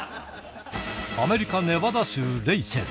アメリカネバダ州レイチェル。